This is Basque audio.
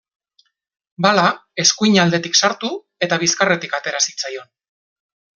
Bala eskuin aldetik sartu eta bizkarretik atera zitzaion.